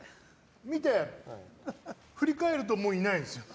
見て、振り返るともういないんですよ。